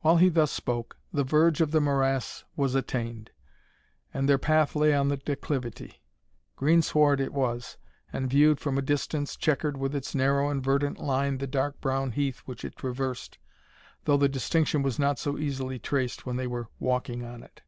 While he thus spoke, the verge of the morass was attained, and their path lay on the declivity. Green sward it was, and, viewed from a distance, chequered with its narrow and verdant line the dark brown heath which it traversed, though the distinction was not so easily traced when they were walking on it.